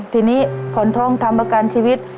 ทีนี้ขอนท้องทำประกันชีวิต